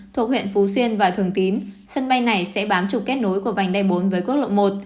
thuộc huyện phú xuyên và thường tín sân bay này sẽ bám trục kết nối của vành đai bốn với quốc lộ một